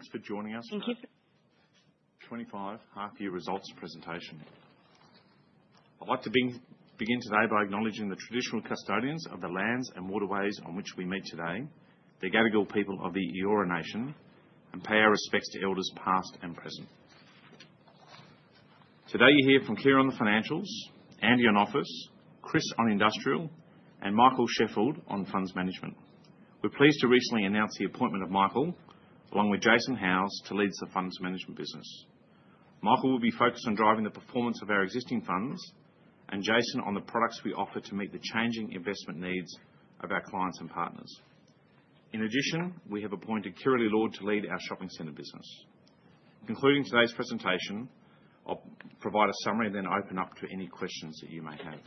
Thanks for joining us for our first half-year results presentation. I'd like to begin today by acknowledging the traditional custodians of the lands and waterways on which we meet today, the Gadigal people of the Eora Nation, and pay our respects to elders past and present. Today you hear from Keir on the financials, Andy in office, Chris on industrial, and Michael Sheffield on funds management. We're pleased to recently announce the appointment of Michael, along with Jason Howes, to lead the funds management business. Michael will be focused on driving the performance of our existing funds, and Jason on the products we offer to meet the changing investment needs of our clients and partners. In addition, we have appointed Kellie Lord to lead our shopping center business. Concluding today's presentation, I'll provide a summary and then open up to any questions that you may have.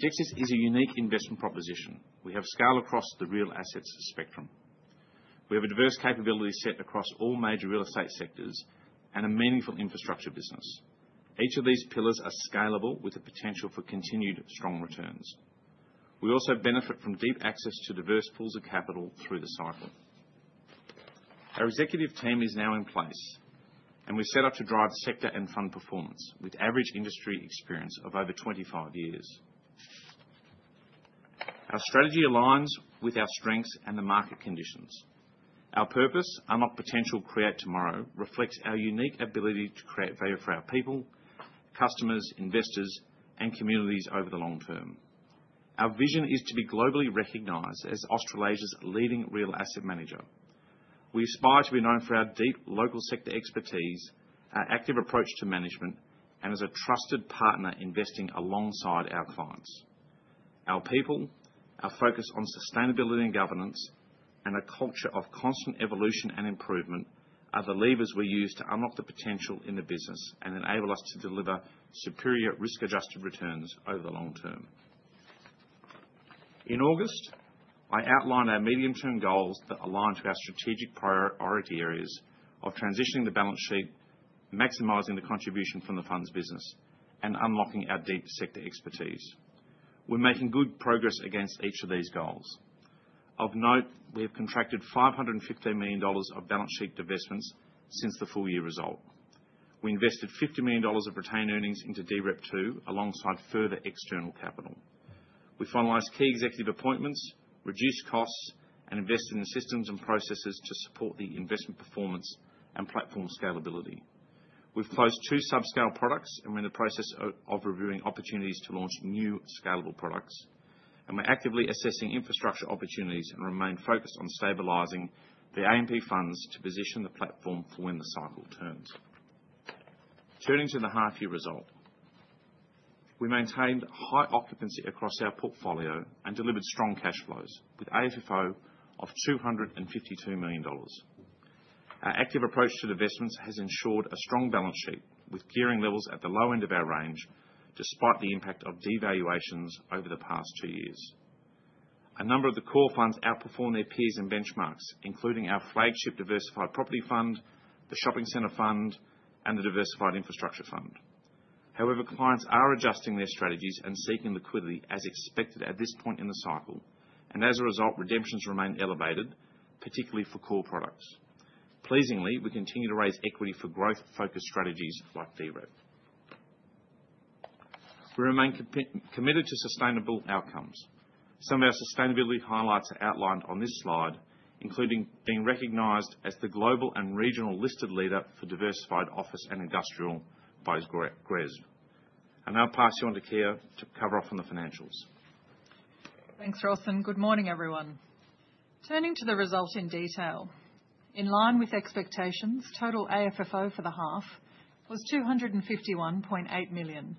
DEXUS is a unique investment proposition. We have scale across the real assets spectrum. We have a diverse capability set across all major real estate sectors and a meaningful infrastructure business. Each of these pillars are scalable with the potential for continued strong returns. We also benefit from deep access to diverse pools of capital through the cycle. Our executive team is now in place, and we're set up to drive sector and fund performance with average industry experience of over 25 years. Our strategy aligns with our strengths and the market conditions. Our purpose, unlock potential, create tomorrow, reflects our unique ability to create value for our people, customers, investors, and communities over the long term. Our vision is to be globally recognized as Australasia's leading real asset manager. We aspire to be known for our deep local sector expertise, our active approach to management, and as a trusted partner investing alongside our clients. Our people, our focus on sustainability and governance, and a culture of constant evolution and improvement are the levers we use to unlock the potential in the business and enable us to deliver superior risk-adjusted returns over the long term. In August, I outlined our medium-term goals that align to our strategic priority areas of transitioning the balance sheet, maximizing the contribution from the funds business, and unlocking our deep sector expertise. We're making good progress against each of these goals. Of note, we have contracted 515 million dollars of balance sheet divestments since the full-year result. We invested 50 million dollars of retained earnings into DREP2 alongside further external capital. We finalized key executive appointments, reduced costs, and invested in systems and processes to support the investment performance and platform scalability. We've closed two subscale products and are in the process of reviewing opportunities to launch new scalable products, and we're actively assessing infrastructure opportunities and remain focused on stabilizing the A&P funds to position the platform for when the cycle turns. Turning to the half-year result, we maintained high occupancy across our portfolio and delivered strong cash flows with AFFO of 252 million dollars. Our active approach to divestments has ensured a strong balance sheet with gearing levels at the low end of our range despite the impact of devaluations over the past two years. A number of the core funds outperform their peers and benchmarks, including our flagship diversified property fund, the shopping center fund, and the diversified infrastructure fund. However, clients are adjusting their strategies and seeking liquidity as expected at this point in the cycle, and as a result, redemptions remain elevated, particularly for core products. Pleasingly, we continue to raise equity for growth-focused strategies like DREP. We remain committed to sustainable outcomes. Some of our sustainability highlights are outlined on this slide, including being recognized as the global and regional listed leader for diversified office and industrial by GRESB, and I'll pass you on to Keir to cover off on the financials. Thanks, Ross and good morning everyone. Turning to the result in detail, in line with expectations, total AFFO for the half was 251.8 million,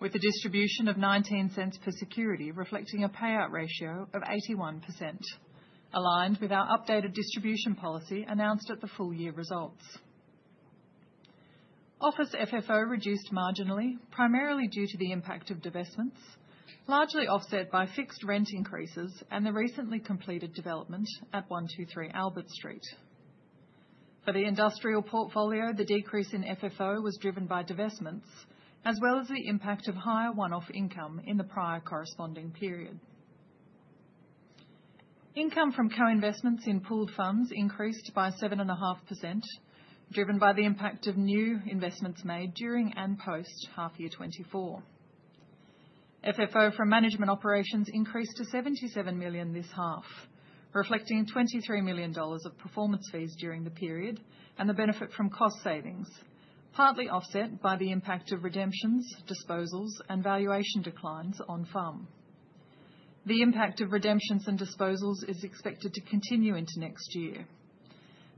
with the distribution of 0.19 per security reflecting a payout ratio of 81%, aligned with our updated distribution policy announced at the full-year results. Office FFO reduced marginally, primarily due to the impact of divestments, largely offset by fixed rent increases and the recently completed development at 123 Albert Street. For the industrial portfolio, the decrease in FFO was driven by divestments as well as the impact of higher one-off income in the prior corresponding period. Income from co-investments in pooled funds increased by 7.5%, driven by the impact of new investments made during and post half-year 2024. FFO from management operations increased to 77 million this half, reflecting 23 million dollars of performance fees during the period and the benefit from cost savings, partly offset by the impact of redemptions, disposals, and valuation declines on funds. The impact of redemptions and disposals is expected to continue into next year.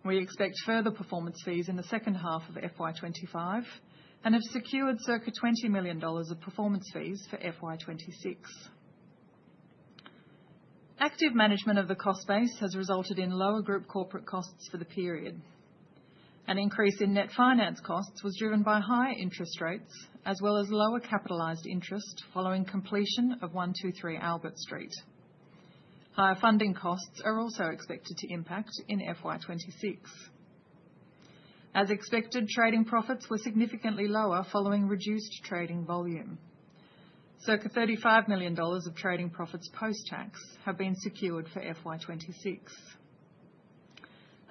We expect further performance fees in the second half of FY25 and have secured circa 20 million dollars of performance fees for FY26. Active management of the cost base has resulted in lower group corporate costs for the period. An increase in net finance costs was driven by higher interest rates as well as lower capitalised interest following completion of 123 Albert Street. Higher funding costs are also expected to impact in FY26. As expected, trading profits were significantly lower following reduced trading volume. Circa 35 million dollars of trading profits post-tax have been secured for FY26.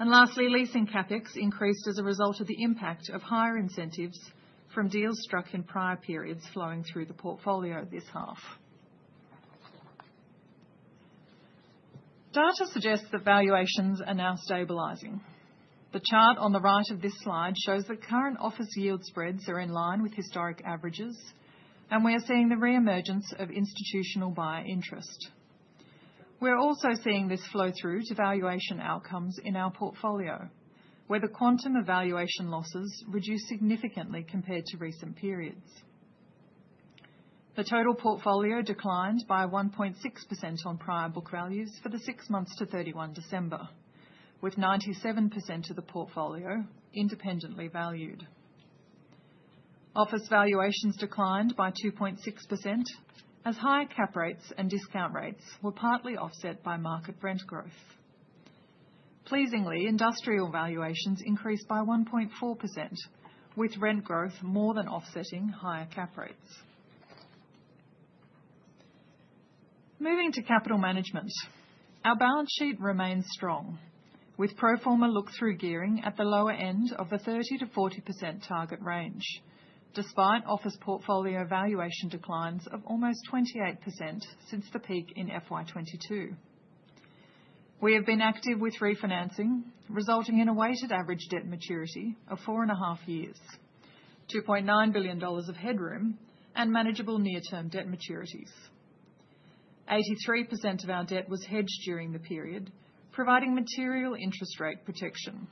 Lastly, leasing CapEx increased as a result of the impact of higher incentives from deals struck in prior periods flowing through the portfolio this half. Data suggests that valuations are now stabilizing. The chart on the right of this slide shows that current office yield spreads are in line with historic averages, and we are seeing the re-emergence of institutional buyer interest. We're also seeing this flow through to valuation outcomes in our portfolio, where the quantum of valuation losses reduced significantly compared to recent periods. The total portfolio declined by 1.6% on prior book values for the six months to 31 December, with 97% of the portfolio independently valued. Office valuations declined by 2.6% as higher cap rates and discount rates were partly offset by market rent growth. Pleasingly, industrial valuations increased by 1.4%, with rent growth more than offsetting higher cap rates. Moving to capital management, our balance sheet remains strong, with pro forma look-through gearing at the lower end of the 30 to 40% target range, despite office portfolio valuation declines of almost 28% since the peak in FY22. We have been active with refinancing, resulting in a weighted average debt maturity of 4.5 years, $2.9 billion of headroom, and manageable near-term debt maturities. 83% of our debt was hedged during the period, providing material interest rate protection.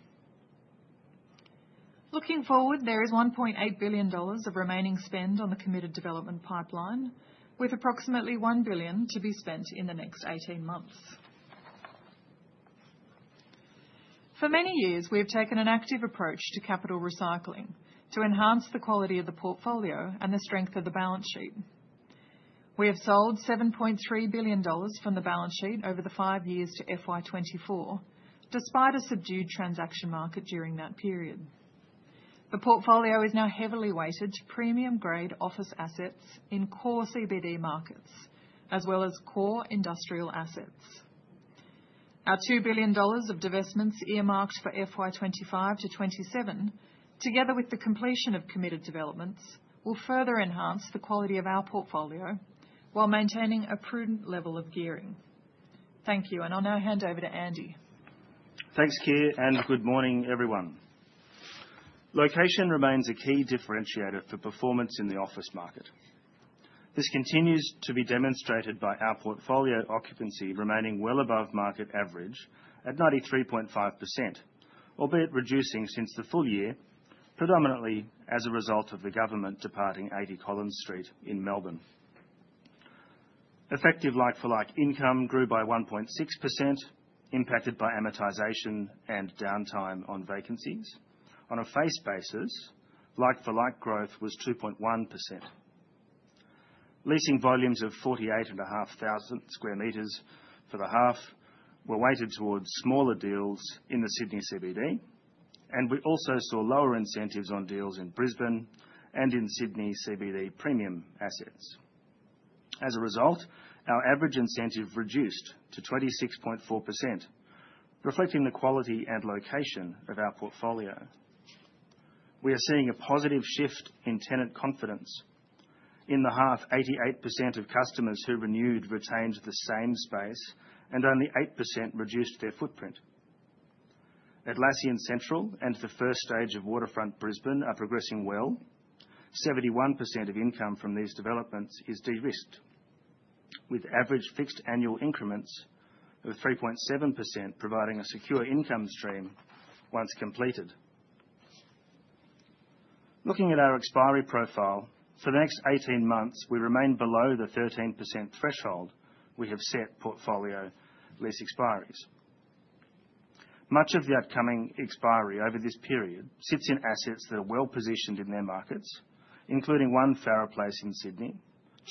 Looking forward, there is $1.8 billion of remaining spend on the committed development pipeline, with approximately $1 billion to be spent in the next 18 months. For many years, we have taken an active approach to capital recycling to enhance the quality of the portfolio and the strength of the balance sheet. We have sold 7.3 billion dollars from the balance sheet over the five years to FY24, despite a subdued transaction market during that period. The portfolio is now heavily weighted to premium-grade office assets in core CBD markets, as well as core industrial assets. Our 2 billion dollars of divestments earmarked for FY25 to FY27, together with the completion of committed developments, will further enhance the quality of our portfolio while maintaining a prudent level of gearing. Thank you, and I'll now hand over to Andy. Thanks, Keir, and good morning, everyone. Location remains a key differentiator for performance in the office market. This continues to be demonstrated by our portfolio occupancy remaining well above market average at 93.5%, albeit reducing since the full year, predominantly as a result of the government departing 80 Collins Street in Melbourne. Effective like-for-like income grew by 1.6%, impacted by amortization and downtime on vacancies. On a face basis, like-for-like growth was 2.1%. Leasing volumes of 48,500 square metres for the half were weighted towards smaller deals in the Sydney CBD, and we also saw lower incentives on deals in Brisbane and in Sydney CBD premium assets. As a result, our average incentive reduced to 26.4%, reflecting the quality and location of our portfolio. We are seeing a positive shift in tenant confidence. In the half, 88% of customers who renewed retained the same space, and only 8% reduced their footprint. Atlassian Central and the first stage of Waterfront Brisbane are progressing well. 71% of income from these developments is de-risked, with average fixed annual increments of 3.7% providing a secure income stream once completed. Looking at our expiry profile, for the next 18 months, we remain below the 13% threshold we have set portfolio lease expiries. Much of the upcoming expiry over this period sits in assets that are well positioned in their markets, including 1 Farrer Place in Sydney,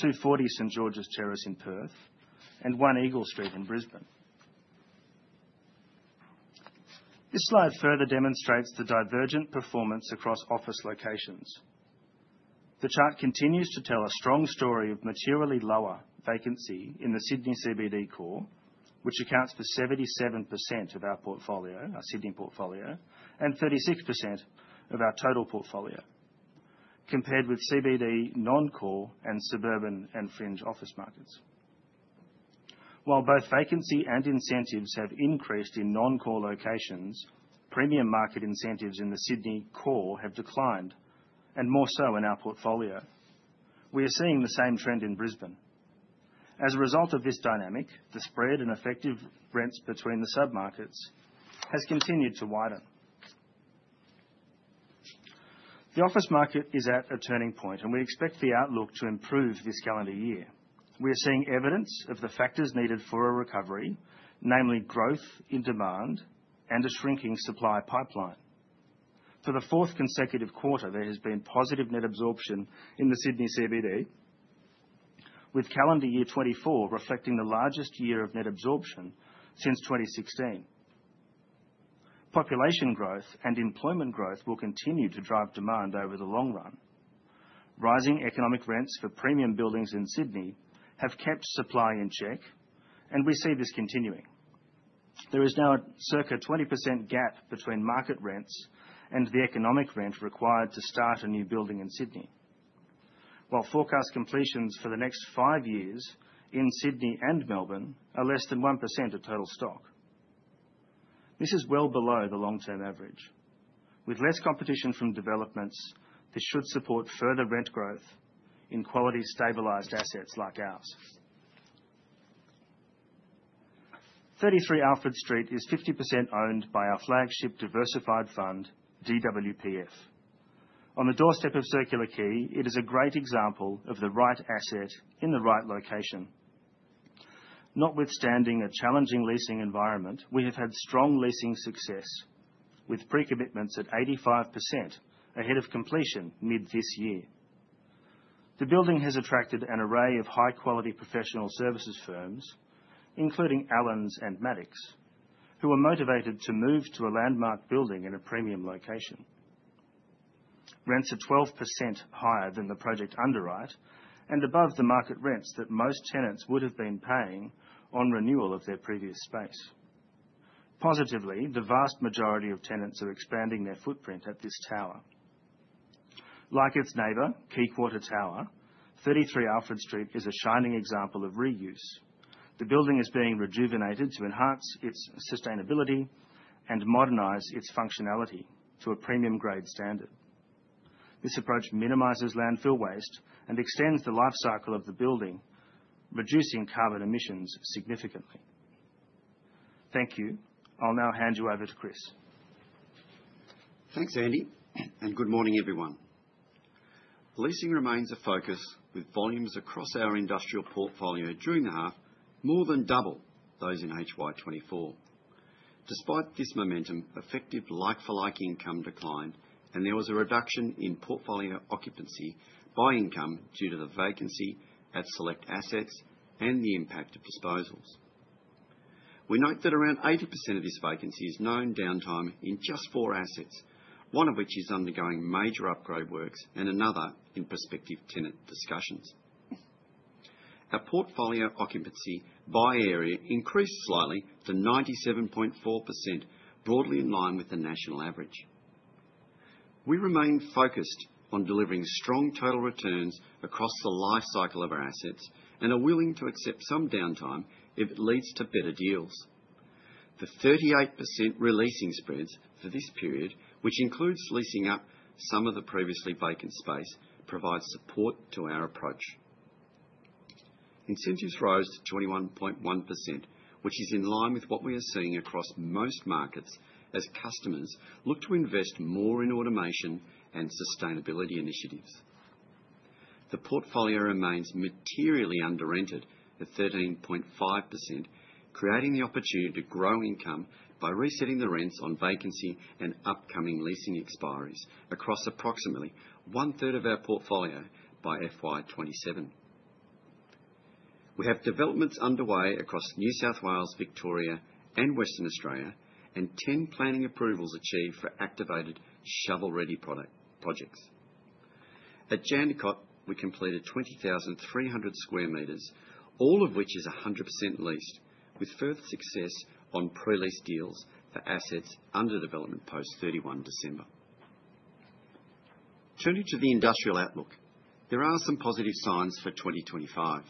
240 St Georges Terrace in Perth, and 1 Eagle Street in Brisbane. This slide further demonstrates the divergent performance across office locations. The chart continues to tell a strong story of materially lower vacancy in the Sydney CBD core, which accounts for 77% of our portfolio, our Sydney portfolio, and 36% of our total portfolio, compared with CBD non-core and suburban and fringe office markets. While both vacancy and incentives have increased in non-core locations, premium market incentives in the Sydney core have declined, and more so in our portfolio. We are seeing the same trend in Brisbane. As a result of this dynamic, the spread and effective rents between the submarkets has continued to widen. The office market is at a turning point, and we expect the outlook to improve this calendar year. We are seeing evidence of the factors needed for a recovery, namely growth in demand and a shrinking supply pipeline. For the fourth consecutive quarter, there has been positive net absorption in the Sydney CBD, with calendar year 2024 reflecting the largest year of net absorption since 2016. Population growth and employment growth will continue to drive demand over the long run. Rising economic rents for premium buildings in Sydney have kept supply in check, and we see this continuing. There is now a circa 20% gap between market rents and the economic rent required to start a new building in Sydney, while forecast completions for the next five years in Sydney and Melbourne are less than 1% of total stock. This is well below the long-term average. With less competition from developments, this should support further rent growth in quality stabilised assets like ours. 33 Alfred Street is 50% owned by our flagship diversified fund, DWPF. On the doorstep of Circular Quay, it is a great example of the right asset in the right location. Notwithstanding a challenging leasing environment, we have had strong leasing success, with pre-commitments at 85% ahead of completion mid this year. The building has attracted an array of high-quality professional services firms, including Allens and Maddocks, who are motivated to move to a landmark building in a premium location. Rents are 12% higher than the project underwrite and above the market rents that most tenants would have been paying on renewal of their previous space. Positively, the vast majority of tenants are expanding their footprint at this tower. Like its neighbour, Quay Quarter Tower, 33 Alfred Street is a shining example of reuse. The building is being rejuvenated to enhance its sustainability and modernize its functionality to a premium-grade standard. This approach minimizes landfill waste and extends the life cycle of the building, reducing carbon emissions significantly. Thank you. I'll now hand you over to Chris. Thanks, Andy, and good morning, everyone. Leasing remains a focus, with volumes across our industrial portfolio during the half more than double those in HY24. Despite this momentum, effective like-for-like income declined, and there was a reduction in portfolio occupancy by income due to the vacancy at select assets and the impact of disposals. We note that around 80% of this vacancy is known downtime in just four assets, one of which is undergoing major upgrade works and another in prospective tenant discussions. Our portfolio occupancy by area increased slightly to 97.4%, broadly in line with the national average. We remain focused on delivering strong total returns across the life cycle of our assets and are willing to accept some downtime if it leads to better deals. The 38% releasing spreads for this period, which includes leasing up some of the previously vacant space, provide support to our approach. Incentives rose to 21.1%, which is in line with what we are seeing across most markets as customers look to invest more in automation and sustainability initiatives. The portfolio remains materially under-rented at 13.5%, creating the opportunity to grow income by resetting the rents on vacancy and upcoming leasing expiries across approximately one-third of our portfolio by FY27. We have developments underway across New South Wales, Victoria, and Western Australia, and 10 planning approvals achieved for activated shovel-ready projects. At Jandakot, we completed 20,300 square meters, all of which is 100% leased, with further success on pre-lease deals for assets under development post-31 December. Turning to the industrial outlook, there are some positive signs for 2025.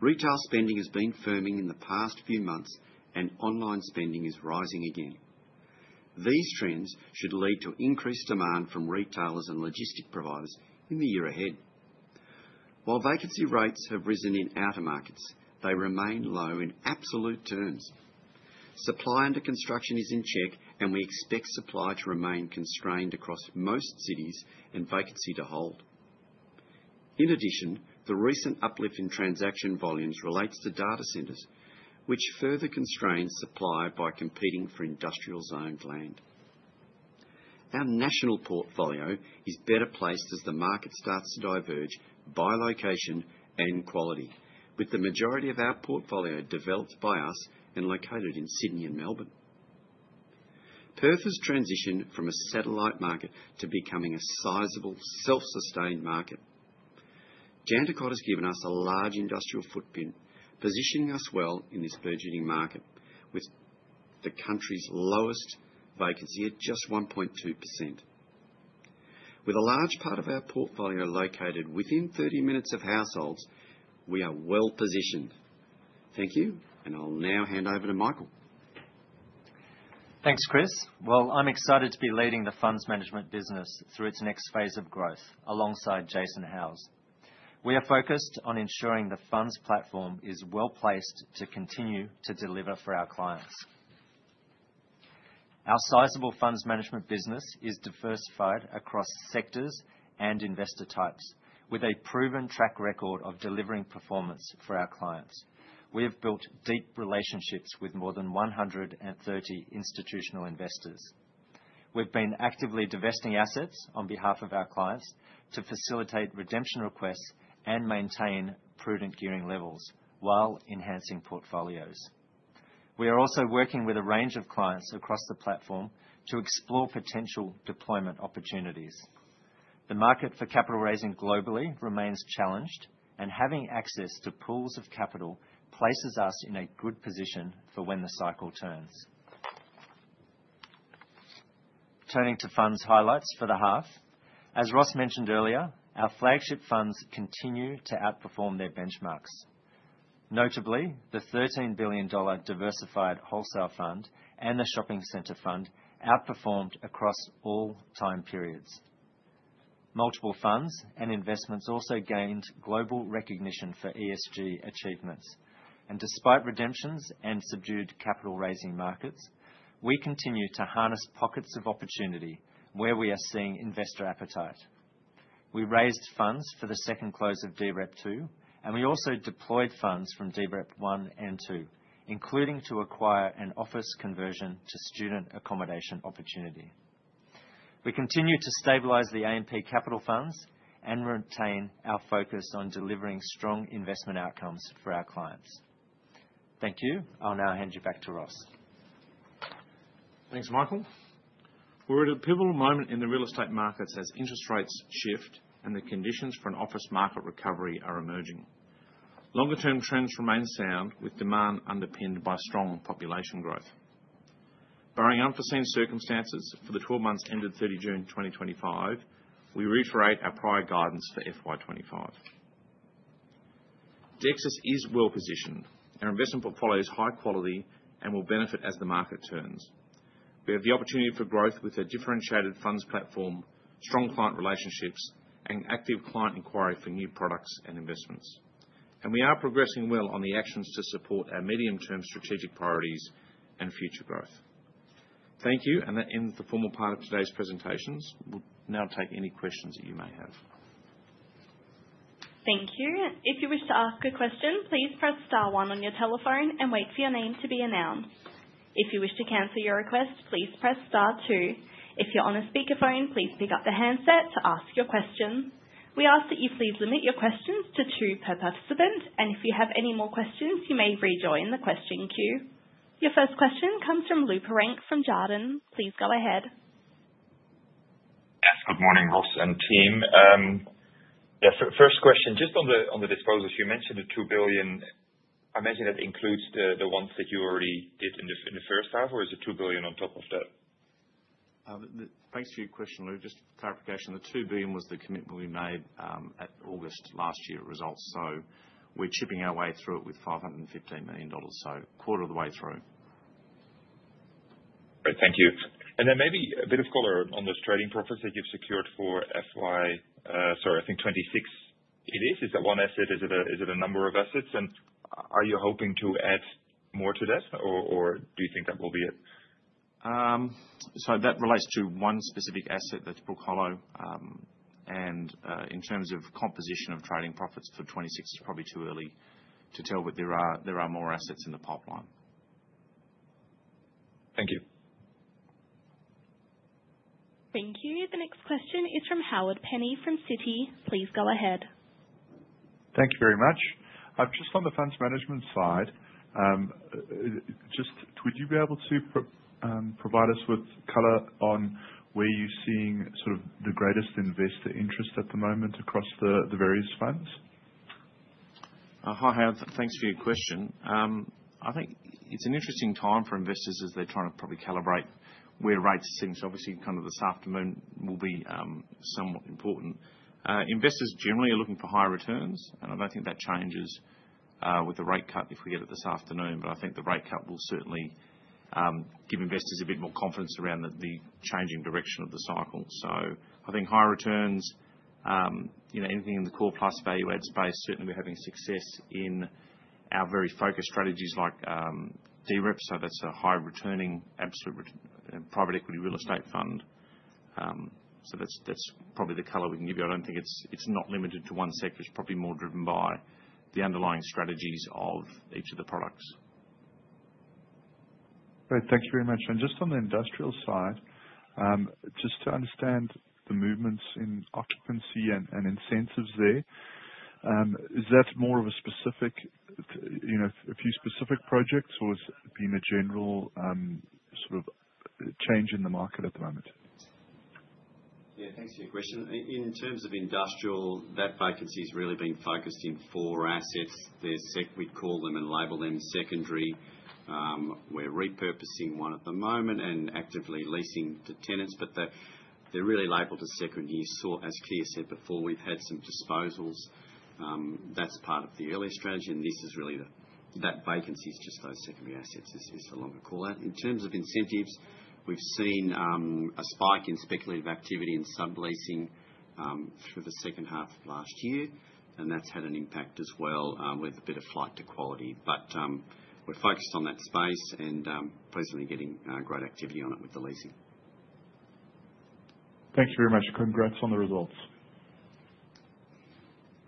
Retail spending has been firming in the past few months, and online spending is rising again. These trends should lead to increased demand from retailers and logistics providers in the year ahead. While vacancy rates have risen in outer markets, they remain low in absolute terms. Supply under construction is in check, and we expect supply to remain constrained across most cities and vacancy to hold. In addition, the recent uplift in transaction volumes relates to data centers, which further constrains supply by competing for industrial-zoned land. Our national portfolio is better placed as the market starts to diverge by location and quality, with the majority of our portfolio developed by us and located in Sydney and Melbourne. Perth has transitioned from a satellite market to becoming a sizable self-sustained market. Jandakot has given us a large industrial footprint, positioning us well in this budding market, with the country's lowest vacancy at just 1.2%. With a large part of our portfolio located within 30 minutes of households, we are well positioned. Thank you, and I'll now hand over to Michael. Thanks, Chris. Well, I'm excited to be leading the funds management business through its next phase of growth alongside Jason Howes. We are focused on ensuring the funds platform is well placed to continue to deliver for our clients. Our sizable funds management business is diversified across sectors and investor types, with a proven track record of delivering performance for our clients. We have built deep relationships with more than 130 institutional investors. We've been actively divesting assets on behalf of our clients to facilitate redemption requests and maintain prudent gearing levels while enhancing portfolios. We are also working with a range of clients across the platform to explore potential deployment opportunities. The market for capital raising globally remains challenged, and having access to pools of capital places us in a good position for when the cycle turns. Turning to funds highlights for the half, as Ross mentioned earlier, our flagship funds continue to outperform their benchmarks. Notably, the 13 billion dollar diversified wholesale fund and the shopping center fund outperformed across all time periods. Multiple funds and investments also gained global recognition for ESG achievements. And despite redemptions and subdued capital raising markets, we continue to harness pockets of opportunity where we are seeing investor appetite. We raised funds for the second close of DREP II, and we also deployed funds from DREP I and II, including to acquire an office conversion to student accommodation opportunity. We continue to stabilise the AMP Capital funds and retain our focus on delivering strong investment outcomes for our clients. Thank you. I'll now hand you back to Ross. Thanks, Michael. We're at a pivotal moment in the real estate markets as interest rates shift and the conditions for an office market recovery are emerging. Longer-term trends remain sound, with demand underpinned by strong population growth. Barring unforeseen circumstances for the 12 months ended 30 June 2025, we reiterate our prior guidance for FY25. Dexus is well positioned. Our investment portfolio is high quality and will benefit as the market turns. We have the opportunity for growth with a differentiated funds platform, strong client relationships, and active client inquiry for new products and investments, and we are progressing well on the actions to support our medium-term strategic priorities and future growth. Thank you, and that ends the formal part of today's presentations. We'll now take any questions that you may have. Thank you. If you wish to ask a question, please press Star 1 on your telephone and wait for your name to be announced. If you wish to cancel your request, please press Star 2. If you're on a speakerphone, please pick up the handset to ask your question. We ask that you please limit your questions to two per participant, and if you have any more questions, you may rejoin the question queue. Your first question comes from Lou Pirenc from Jarden. Please go ahead. Yes, good morning, Ross and team. Yeah, first question, just on the disposals, you mentioned the 2 billion. I imagine that includes the ones that you already did in the first half, or is it 2 billion on top of that? Thanks for your question, Lou. Just clarification, the 2 billion was the commitment we made at August last year's results. So we're chipping our way through it with 515 million dollars, so a quarter of the way through. Great, thank you. And then maybe a bit of color on this trading profit that you've secured for FY, sorry, I think 2026, it is. Is that one asset? Is it a number of assets? And are you hoping to add more to that, or do you think that will be it? That relates to one specific asset, that's Brook Hollow. In terms of composition of trading profits for 26, it's probably too early to tell, but there are more assets in the pipeline. Thank you. Thank you. The next question is from Howard Penney from Citi. Please go ahead. Thank you very much. Just on the funds management side, just would you be able to provide us with color on where you're seeing sort of the greatest investor interest at the moment across the various funds? Hi, Howard. Thanks for your question. I think it's an interesting time for investors as they're trying to probably calibrate where rates are sitting. So obviously, kind of this afternoon will be somewhat important. Investors generally are looking for higher returns, and I don't think that changes with the rate cut if we get it this afternoon. But I think the rate cut will certainly give investors a bit more confidence around the changing direction of the cycle. So I think higher returns, anything in the core plus value-add space, certainly we're having success in our very focused strategies like DREP. So that's a high-returning absolute private equity real estate fund. So that's probably the color we can give you. I don't think it's not limited to one sector. It's probably more driven by the underlying strategies of each of the products. Great, thanks very much. And just on the industrial side, just to understand the movements in occupancy and incentives there, is that more of a specific, a few specific projects, or has it been a general sort of change in the market at the moment? Yeah, thanks for your question. In terms of industrial, that vacancy has really been focused in four assets. We'd call them and label them secondary. We're repurposing one at the moment and actively leasing to tenants. But they're really labelled as secondary. As Keir said before, we've had some disposals. That's part of the earlier strategy. And this is really that vacancy is just those secondary assets is the longer callout. In terms of incentives, we've seen a spike in speculative activity in sub-leasing through the second half of last year, and that's had an impact as well with a bit of flight to quality. But we're focused on that space and presently getting great activity on it with the leasing. Thank you very much. Congrats on the results.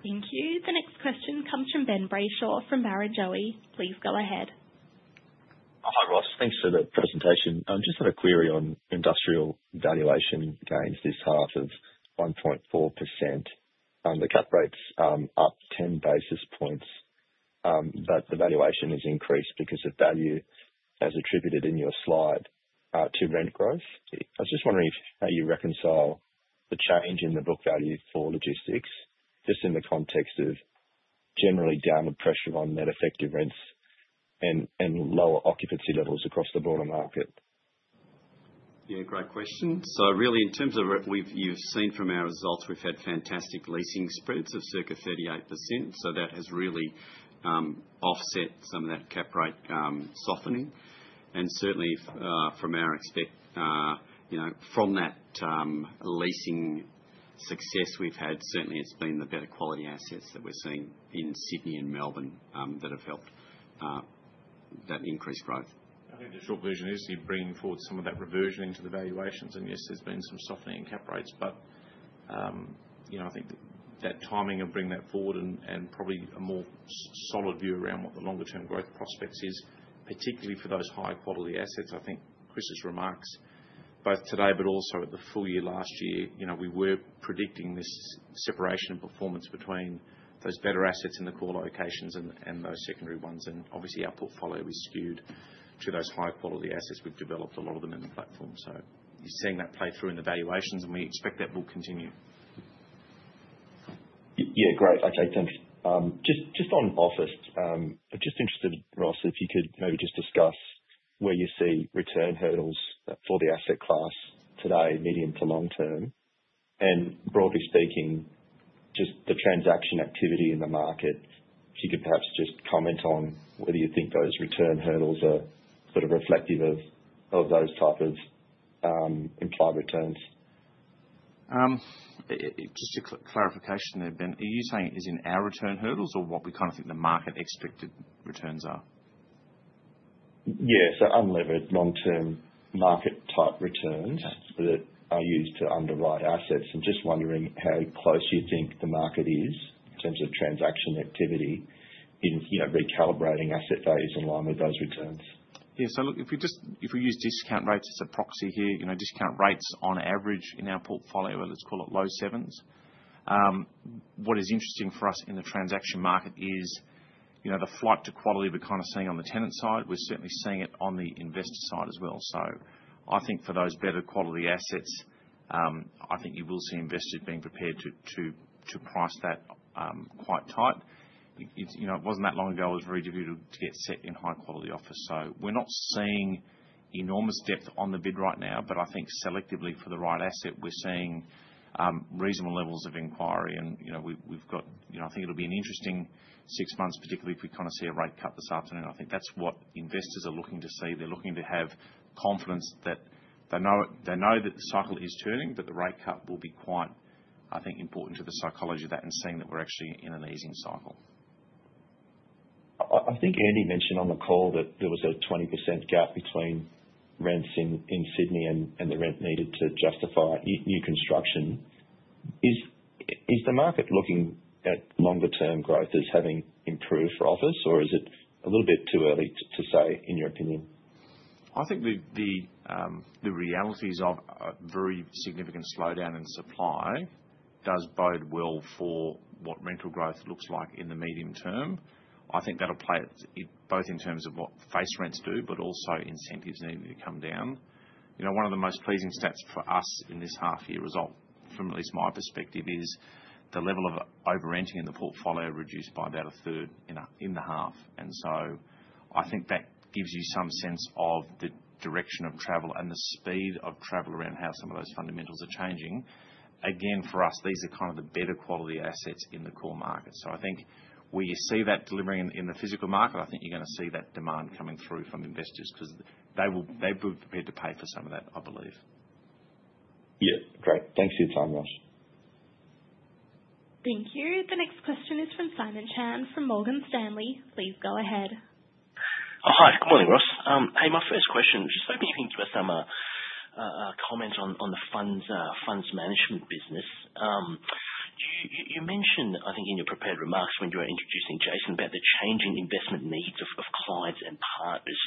Thank you. The next question comes from Ben Brayshaw from Barrenjoey. Please go ahead. Hi, Ross. Thanks for the presentation. I just had a query on industrial valuation gains this half of 1.4%. The cap rate's up 10 basis points, but the valuation has increased because of value as attributed in your slide to rent growth. I was just wondering how you reconcile the change in the book value for logistics just in the context of generally downward pressure on net effective rents and lower occupancy levels across the broader market? Yeah, great question. So really, in terms of what you've seen from our results, we've had fantastic leasing spreads of circa 38%. So that has really offset some of that Cap Rate softening. And certainly, from what we expect from that leasing success we've had, certainly it's been the better quality assets that we're seeing in Sydney and Melbourne that have helped that increased growth. I think the short version is you're bringing forward some of that reversion into the valuations, and yes, there's been some softening in cap rates, but I think that timing of bringing that forward and probably a more solid view around what the longer-term growth prospects is, particularly for those high-quality assets. I think Chris's remarks, both today but also at the full year last year, we were predicting this separation in performance between those better assets in the core locations and those secondary ones, and obviously, our portfolio is skewed to those high-quality assets. We've developed a lot of them in the platform, so you're seeing that play through in the valuations, and we expect that will continue. Yeah, great. Okay, thanks. Just on office, I'm just interested, Ross, if you could maybe just discuss where you see return hurdles for the asset class today, medium to long term. And broadly speaking, just the transaction activity in the market, if you could perhaps just comment on whether you think those return hurdles are sort of reflective of those type of implied returns. Just a clarification there, Ben. Are you saying it is in our return hurdles or what we kind of think the market expected returns are? Yeah, so unlevered long-term market-type returns that are used to underwrite assets. I'm just wondering how close you think the market is in terms of transaction activity in recalibrating asset values in line with those returns? Yeah, so look, if we use discount rates as a proxy here, discount rates on average in our portfolio, let's call it low sevens. What is interesting for us in the transaction market is the flight to quality we're kind of seeing on the tenant side. We're certainly seeing it on the investor side as well. So I think for those better quality assets, I think you will see investors being prepared to price that quite tight. It wasn't that long ago I was very difficult to get set in high-quality office. So we're not seeing enormous depth on the bid right now, but I think selectively for the right asset, we're seeing reasonable levels of inquiry. And we've got, I think it'll be an interesting six months, particularly if we kind of see a rate cut this afternoon. I think that's what investors are looking to see. They're looking to have confidence that they know that the cycle is turning, but the rate cut will be quite, I think, important to the psychology of that and seeing that we're actually in an easing cycle. I think Andy mentioned on the call that there was a 20% gap between rents in Sydney and the rent needed to justify new construction. Is the market looking at longer-term growth as having improved for office, or is it a little bit too early to say, in your opinion? I think the realities of a very significant slowdown in supply does bode well for what rental growth looks like in the medium term. I think that'll play both in terms of what face rents do, but also incentives needing to come down. One of the most pleasing stats for us in this half-year result, from at least my perspective, is the level of over-renting in the portfolio reduced by about a third in the half, and so I think that gives you some sense of the direction of travel and the speed of travel around how some of those fundamentals are changing, again, for us, these are kind of the better quality assets in the core market. I think where you see that delivering in the physical market, I think you're going to see that demand coming through from investors because they will be prepared to pay for some of that, I believe. Yeah, great. Thanks for your time, Ross. Thank you. The next question is from Simon Chan from Morgan Stanley. Please go ahead. Hi, good morning, Ross. Hey, my first question, just opening up to a comment on the funds management business. You mentioned, I think, in your prepared remarks when you were introducing Jason about the changing investment needs of clients and partners.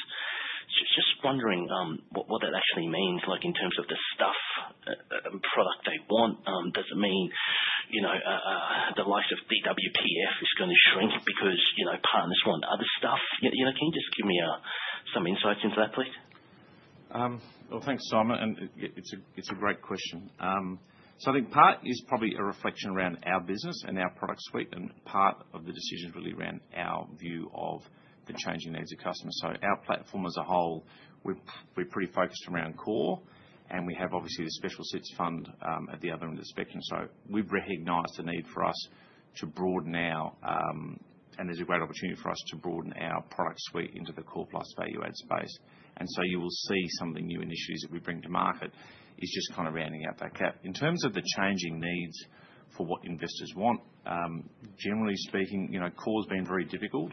Just wondering what that actually means in terms of the stuff and product they want. Does it mean the likes of DWPF is going to shrink because partners want other stuff? Can you just give me some insights into that, please? Thanks, Simon. It's a great question. I think part is probably a reflection around our business and our product suite, and part of the decision is really around our view of the changing needs of customers. Our platform as a whole, we're pretty focused around core, and we have obviously the specialist funds at the other end of the spectrum. We've recognized the need for us to broaden our, and there's a great opportunity for us to broaden our product suite into the core plus value-add space. You will see some of the new initiatives that we bring to market is just kind of rounding out that gap. In terms of the changing needs for what investors want, generally speaking, core has been very difficult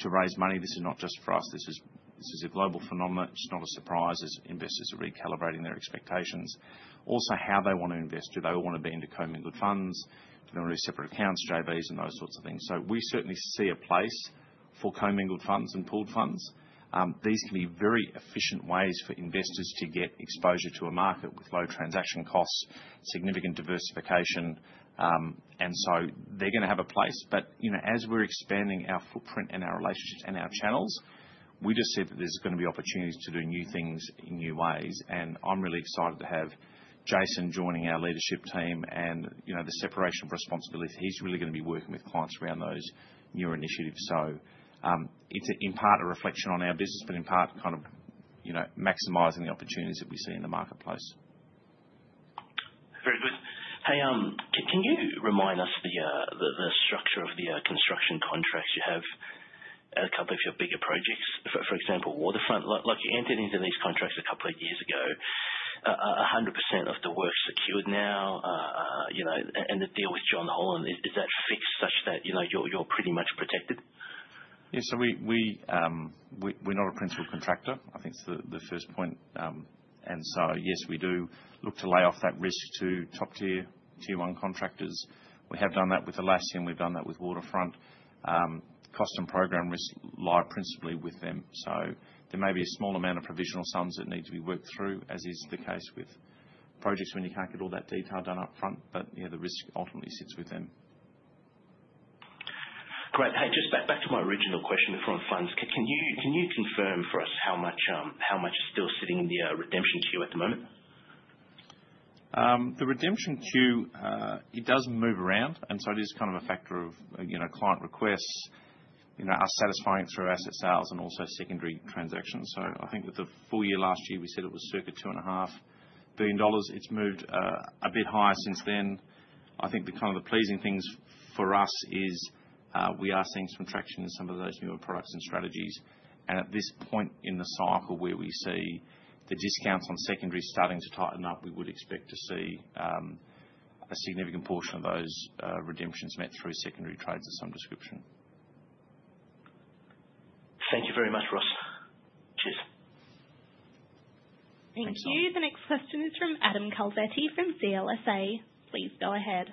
to raise money. This is not just for us. This is a global phenomenon. It's not a surprise as investors are recalibrating their expectations. Also, how they want to invest. Do they all want to be into co-mingled funds? Do they want to do separate accounts, JBs, and those sorts of things? So we certainly see a place for co-mingled funds and pooled funds. These can be very efficient ways for investors to get exposure to a market with low transaction costs, significant diversification. And so they're going to have a place. But as we're expanding our footprint and our relationships and our channels, we just see that there's going to be opportunities to do new things in new ways. And I'm really excited to have Jason joining our leadership team and the separation of responsibilities. He's really going to be working with clients around those new initiatives. So it's in part a reflection on our business, but in part kind of maximizing the opportunities that we see in the marketplace. Very good. Hey, can you remind us the structure of the construction contracts you have at a couple of your bigger projects? For example, Waterfront, like you entered into these contracts a couple of years ago, 100% of the work secured now. And the deal with John Holland, is that fixed such that you're pretty much protected? Yeah, so we're not a principal contractor. I think it's the first point. And so yes, we do look to lay off that risk to top tier, tier one contractors. We have done that with Atlassian. We've done that with Waterfront. Cost and program risk lie principally with them. So there may be a small amount of provisional sums that need to be worked through, as is the case with projects when you can't get all that detail done upfront. But yeah, the risk ultimately sits with them. Great. Hey, just back to my original question from funds. Can you confirm for us how much is still sitting in the redemption queue at the moment? The redemption queue, it does move around, and so it is kind of a factor of client requests are satisfying through asset sales and also secondary transactions, so I think with the full year last year, we said it was circa 2.5 billion dollars. It's moved a bit higher since then. I think the kind of the pleasing things for us is we are seeing some traction in some of those newer products and strategies, and at this point in the cycle where we see the discounts on secondary starting to tighten up, we would expect to see a significant portion of those redemptions met through secondary trades of some description. Thank you very much, Ross. Cheers. Thank you. The next question is from Adam Calver from CLSA. Please go ahead.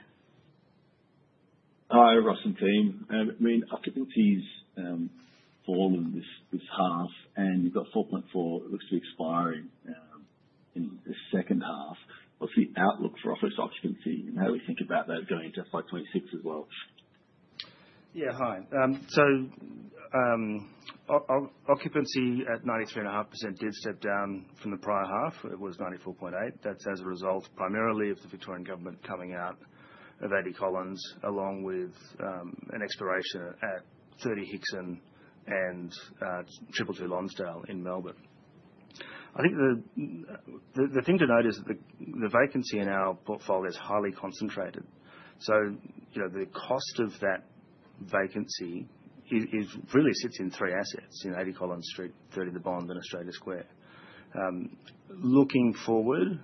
Hi, Ross and team. I mean, occupancy is falling this half, and you've got 4.4. It looks to be expiring in the second half. What's the outlook for office occupancy and how do we think about that going into FY26 as well? Yeah, hi. Occupancy at 93.5% did step down from the prior half. It was 94.8%. That's as a result primarily of the Victorian government coming out of 80 Collins Street, along with an expiration at 30 Hickson Road and 222 Lonsdale Street in Melbourne. I think the thing to note is that the vacancy in our portfolio is highly concentrated. So the cost of that vacancy really sits in three assets: 80 Collins Street, 30 The Bond, and Australia Square. Looking forward,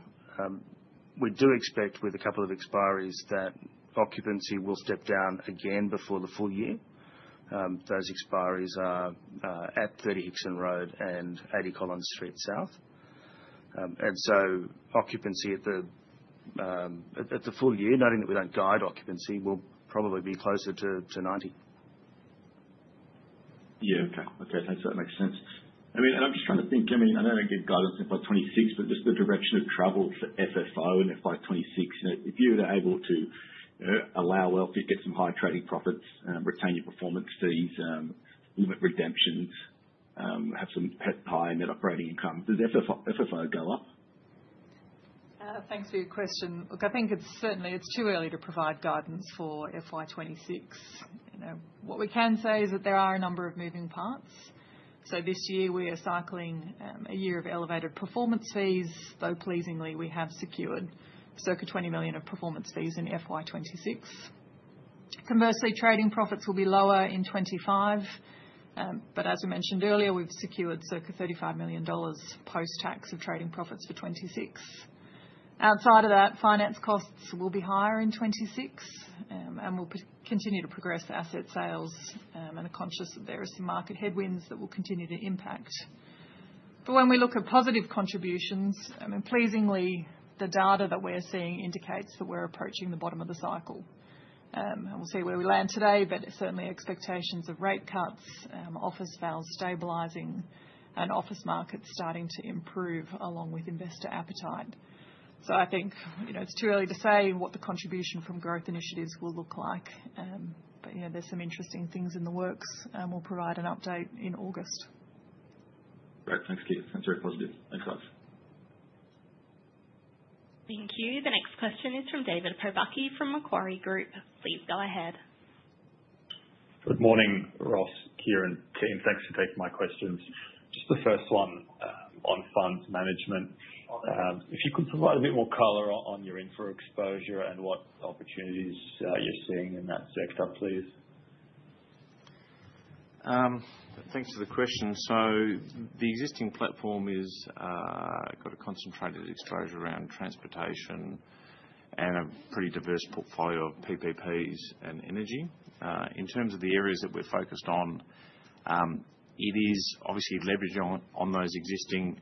we do expect with a couple of expiries that occupancy will step down again before the full year. Those expiries are at 30 Hickson Road and 80 Collins Street. And so occupancy at the full year, noting that we don't guide occupancy, will probably be closer to 90%. Yeah, okay. Okay, thanks. That makes sense. I mean, and I'm just trying to think. I mean, I know they give guidance in FY26, but just the direction of travel for FFO in FY26, if you were able to allow wealth, get some high trading profits, retain your performance fees, limit redemptions, have some high net operating income, does FFO go up? Thanks for your question. Look, I think it's certainly too early to provide guidance for FY26. What we can say is that there are a number of moving parts. So this year, we are cycling a year of elevated performance fees, though pleasingly, we have secured circa 20 million of performance fees in FY26. Conversely, trading profits will be lower in 2025. But as we mentioned earlier, we've secured circa AUD 35 million post-tax of trading profits for 2026. Outside of that, finance costs will be higher in 2026, and we'll continue to progress asset sales, and are conscious that there are some market headwinds that will continue to impact. But when we look at positive contributions, I mean, pleasingly, the data that we're seeing indicates that we're approaching the bottom of the cycle. And we'll see where we land today, but certainly expectations of rate cuts, office sales stabilizing, and office markets starting to improve along with investor appetite. So I think it's too early to say what the contribution from growth initiatives will look like. But there's some interesting things in the works, and we'll provide an update in August. Great. Thanks, Keir. Thanks for your positive. Thanks, Ross. Thank you. The next question is from David Pravica from Macquarie Group. Please go ahead. Good morning, Ross, Keir, and team. Thanks for taking my questions. Just the first one on funds management. If you could provide a bit more color on your infra exposure and what opportunities you're seeing in that sector, please. Thanks for the question. So the existing platform has got a concentrated exposure around transportation and a pretty diverse portfolio of PPPs and energy. In terms of the areas that we're focused on, it is obviously leveraging on those existing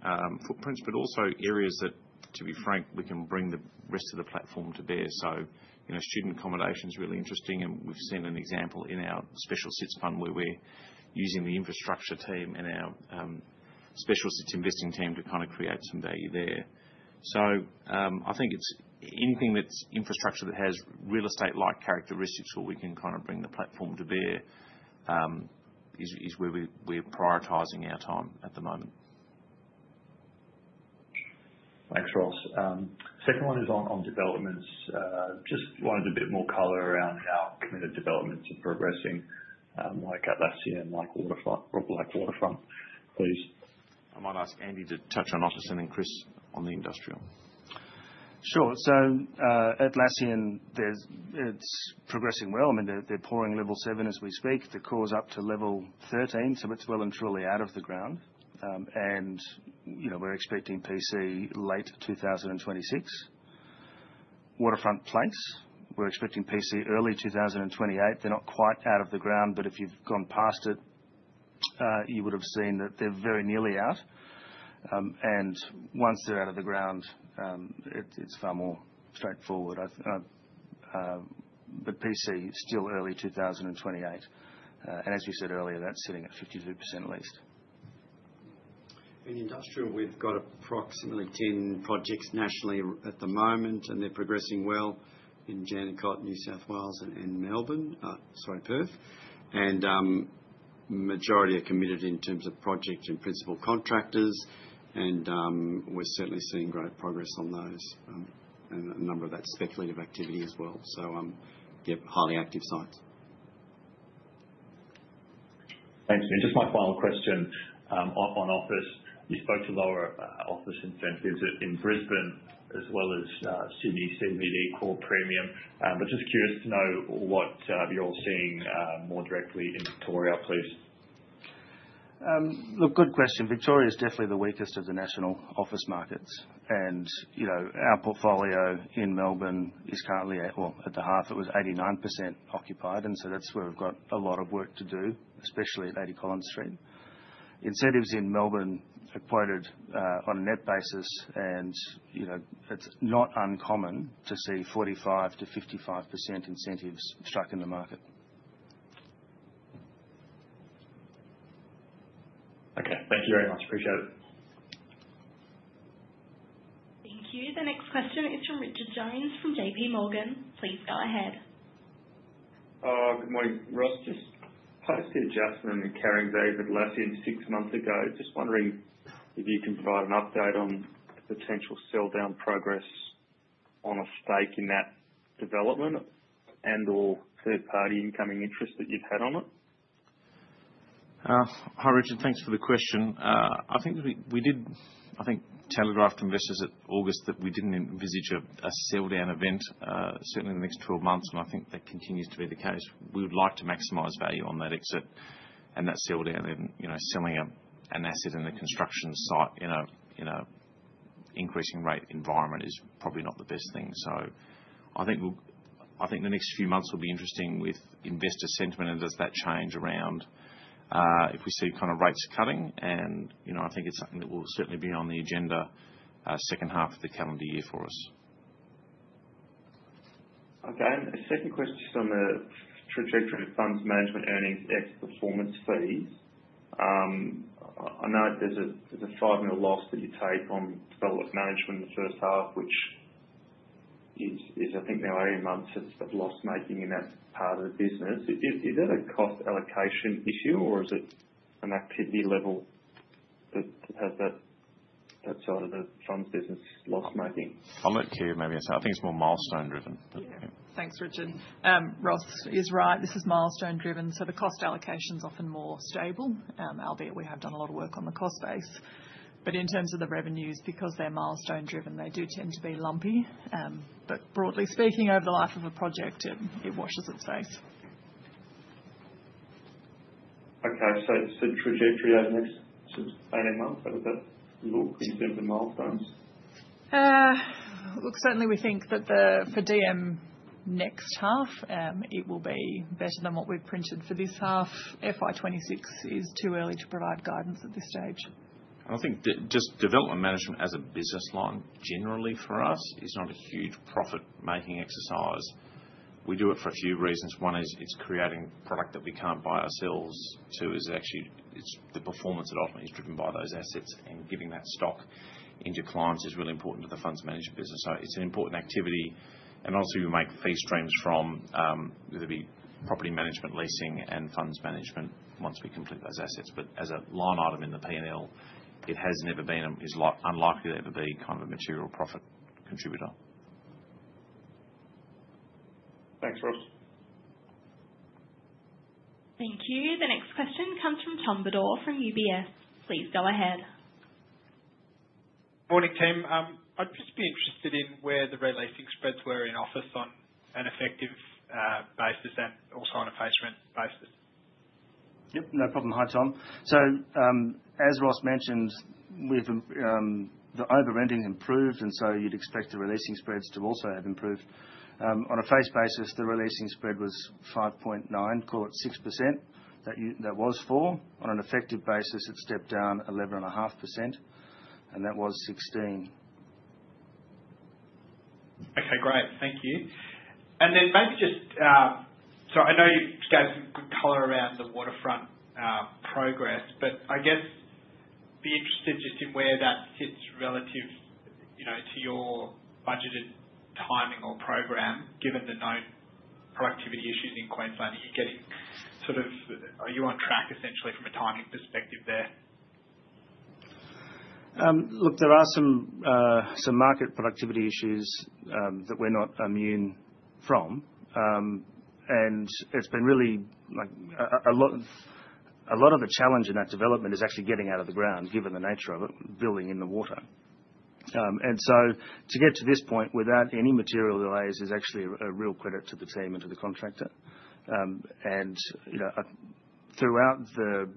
footprints, but also areas that, to be frank, we can bring the rest of the platform to bear. So student accommodation is really interesting, and we've seen an example in our special situations fund where we're using the infrastructure team and our special situations investing team to kind of create some value there. So I think anything that's infrastructure that has real estate-like characteristics where we can kind of bring the platform to bear is where we're prioritizing our time at the moment. Thanks, Ross. Second one is on developments. Just wanted a bit more color around how committed developments are progressing like Atlassian and like Waterfront, please. I might ask Andy to touch on office and then Chris on the industrial. Sure, so Atlassian, it's progressing well. I mean, they're pouring level seven as we speak. The core is up to level 13, so it's well and truly out of the ground, and we're expecting PC late 2026. Waterfront plinths, we're expecting PC early 2028. They're not quite out of the ground, but if you've gone past it, you would have seen that they're very nearly out, and once they're out of the ground, it's far more straightforward, but PC still early 2028, and as we said earlier, that's sitting at 52% leased. In industrial, we've got approximately 10 projects nationally at the moment, and they're progressing well in Jandakot, New South Wales, and Melbourne, sorry, Perth. And majority are committed in terms of project and principal contractors, and we're certainly seeing great progress on those and a number of that speculative activity as well. So yeah, highly active sites. Thanks. And just my final question. On office, you spoke to lower office incentives in Brisbane as well as Sydney CBD core premium. But just curious to know what you're all seeing more directly in Victoria, please. Look, good question. Victoria is definitely the weakest of the national office markets. And our portfolio in Melbourne is currently at, well, at the half, it was 89% occupied. And so that's where we've got a lot of work to do, especially at 80 Collins Street. Incentives in Melbourne are quoted on a net basis, and it's not uncommon to see 45%-55% incentives struck in the market. Okay. Thank you very much. Appreciate it. Thank you. The next question is from Richard Jones from JP Morgan. Please go ahead. Good morning, Ross. Just post-adjustment and carrying value last year and six months ago. Just wondering if you can provide an update on the potential sell-down progress on a stake in that development and/or third-party incoming interest that you've had on it. Hi, Richard. Thanks for the question. I think we did, I think, telegraph to investors in August that we didn't envisage a sell-down event certainly in the next 12 months, and I think that continues to be the case. We would like to maximize value on that exit and that sell-down, and selling an asset in a construction site in an increasing rate environment is probably not the best thing. So I think the next few months will be interesting with investor sentiment and does that change around if we see kind of rates cutting, and I think it's something that will certainly be on the agenda second half of the calendar year for us. Okay. And a second question just on the trajectory of funds management earnings ex performance fees. I know there's a five-year loss that you take on development management in the first half, which is, I think, now eight months of loss-making in that part of the business. Is that a cost allocation issue, or is it an activity level that has that side of the funds business loss-making? I'll let Keir maybe answer. I think it's more milestone-driven. Yeah. Thanks, Richard. Ross is right. This is milestone-driven. So the cost allocation is often more stable, albeit we have done a lot of work on the cost base. But in terms of the revenues, because they're milestone-driven, they do tend to be lumpy. But broadly speaking, over the life of a project, it washes its face. Okay. So trajectory over the next eight months, how does that look in terms of milestones? Look, certainly we think that for DM next half, it will be better than what we've printed for this half. FY26 is too early to provide guidance at this stage. I think just development management as a business line, generally for us, is not a huge profit-making exercise. We do it for a few reasons. One is it's creating product that we can't buy ourselves. Two is actually the performance ultimately is driven by those assets, and giving that stock into clients is really important to the funds management business. So it's an important activity. And obviously, we make fee streams from whether it be property management, leasing, and funds management once we complete those assets. But as a line item in the P&L, it has never been and is unlikely to ever be kind of a material profit contributor. Thanks, Ross. Thank you. The next question comes from Tom Beder from UBS. Please go ahead. Good morning, team. I'd just be interested in where the releasing spreads were in office on an effective basis and also on a face rent basis. Yep. No problem. Hi, Tom. So as Ross mentioned, the over-renting has improved, and so you'd expect the releasing spreads to also have improved. On a face basis, the releasing spread was 5.9%, call it 6%; that was for. On an effective basis, it stepped down 11.5%, and that was 16%. Okay. Great. Thank you. And then maybe just so I know you gave some good color around the Waterfront progress, but I guess be interested just in where that sits relative to your budgeted timing or program, given the known productivity issues in Queensland. Are you getting sort of on track, essentially, from a timing perspective there? Look, there are some market productivity issues that we're not immune from. And it's been really a lot of the challenge in that development is actually getting out of the ground, given the nature of it, building in the water. And so to get to this point without any material delays is actually a real credit to the team and to the contractor. And throughout the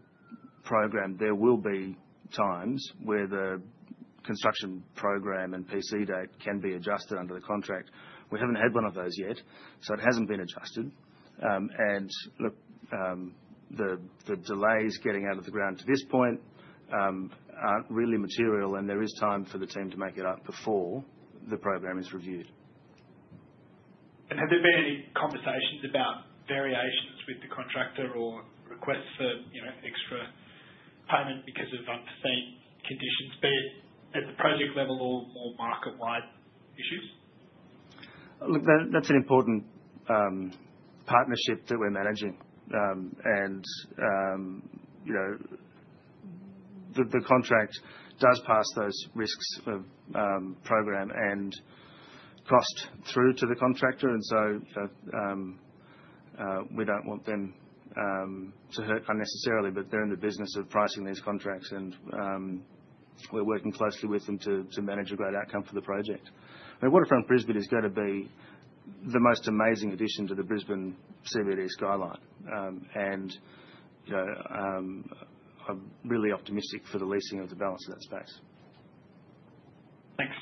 program, there will be times where the construction program and PC date can be adjusted under the contract. We haven't had one of those yet, so it hasn't been adjusted. And look, the delays getting out of the ground to this point aren't really material, and there is time for the team to make it up before the program is reviewed. Have there been any conversations about variations with the contractor or requests for extra payment because of unforeseen conditions, be it at the project level or more market-wide issues? Look, that's an important partnership that we're managing. And the contract does pass those risks of program and cost through to the contractor. And so we don't want them to hurt unnecessarily, but they're in the business of pricing these contracts, and we're working closely with them to manage a great outcome for the project. I mean, Waterfront Brisbane is going to be the most amazing addition to the Brisbane CBD skyline. And I'm really optimistic for the leasing of the balance of that space. Thanks.